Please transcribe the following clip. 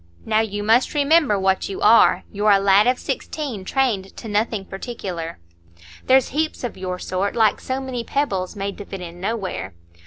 Now, you must remember what you are,—you're a lad of sixteen, trained to nothing particular. There's heaps of your sort, like so many pebbles, made to fit in nowhere.